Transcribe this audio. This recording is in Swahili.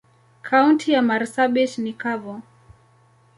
Kaunti ya marsabit ni kavu.